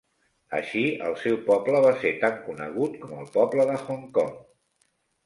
Així, el seu poble va ser tan conegut com el poble de Hong Kong.